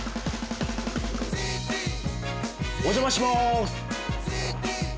お邪魔します。